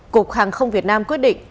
cục hàng không việt nam quyết định